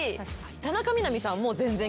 田中みな実さんも。